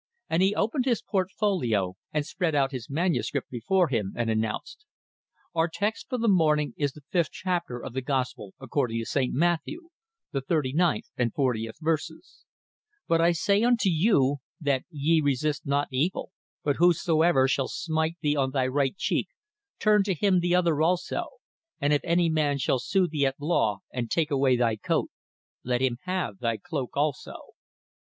And he opened his portfolio, and spread out his manuscript before him, and announced: "Our text for the morning is the fifth chapter of the gospel according to St. Matthew, the thirty ninth and fortieth verses: 'But I say unto you, that ye resist not evil: but whosoever shall smite thee on thy right cheek, turn to him the other also. And if any man shall sue thee at law, and take away thy coat, let him have thy cloak also."